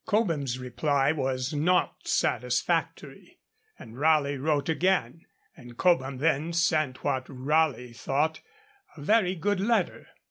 Cobham's reply was not satisfactory, and Raleigh wrote again, and Cobham then sent what Raleigh thought 'a very good letter.'